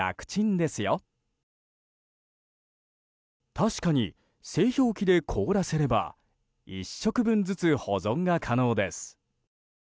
確かに、製氷機で凍らせれば１食分ずつ保存が可能です。